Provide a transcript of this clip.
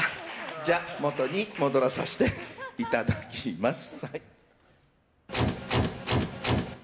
じゃあ元に戻らさせていただきます。